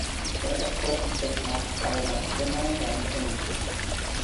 The representation of Ireland remained unchanged.